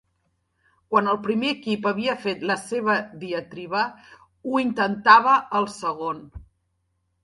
Quan el primer equip havia fet la seva diatriba, ho intentava el segon.